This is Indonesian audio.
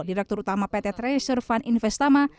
direktur utama pt treasure fund investama